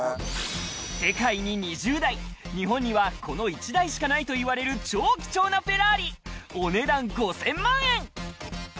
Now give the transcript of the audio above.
世界に２０台日本にはこの１台しかないといわれる超貴重なフェラーリお値段５０００万円